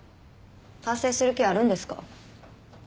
達成する気あるんですか？